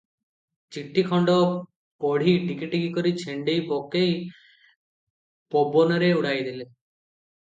ଚିଠି ଖଣ୍ଡ ପଢ଼ି ଟିକି ଟିକି କରି ଛିଣ୍ଡେଇ ପକେଇ ପବନରେ ଉଡ଼ାଇ ଦେଲେ ।